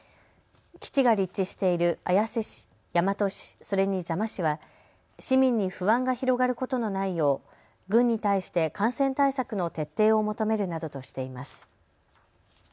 基地が立地している綾瀬市・大和市、それに座間市は市民に不安が広がることのないよう軍に対して感染対策の徹底を求めるなどとしています。